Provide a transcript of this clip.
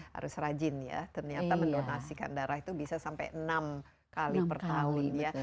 harus rajin ya ternyata mendonasikan darah itu bisa sampai enam kali per tahun ya